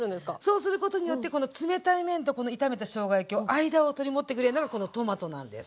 そうすることによってこの冷たい麺とこの炒めたしょうが焼きを間を取り持ってくれるのがこのトマトなんです。